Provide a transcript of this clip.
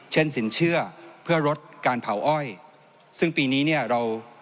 สินเชื่อเพื่อลดการเผาอ้อยซึ่งปีนี้เนี่ยเรา